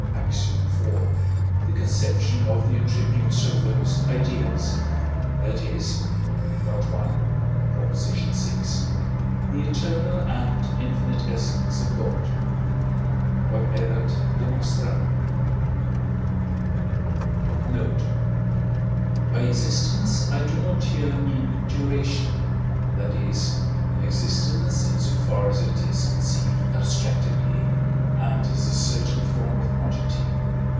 Ax. iv.) the conception of the attributes of those ideas that is (I. vi.), the eternal and infinite essence of God. Q.E.D. Note. By existence I do not here mean duration that is, existence in so far as it is conceived abstractedly, and as a certain form of quantity.